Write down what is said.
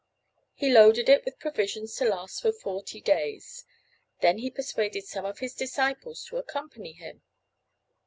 He loaded it with provisions to last for forty days. Then he persuaded some of his disciples to accompany him.